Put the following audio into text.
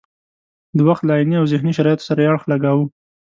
د وخت له عیني او ذهني شرایطو سره یې اړخ لګاوه.